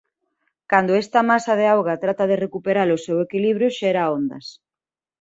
Cando esta masa de auga trata de recuperar o seu equilibrio xera ondas.